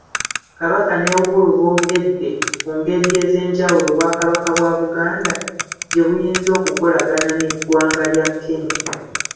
Kabaka ne Uhuru boogedde ku ngeri ezenjawulo Obwakabaka bwa Buganda gye buyinza okukolagana n’Eggwanga lya Kenya.